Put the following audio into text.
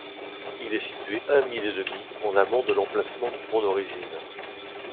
Il est situé un mile et demi en amont de l'emplacement du pont d'origine.